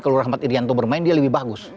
kalau rahmat irianto bermain dia lebih bagus